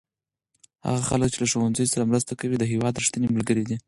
هغه خلک چې له ښوونځیو سره مرسته کوي د هېواد رښتیني ملګري دي.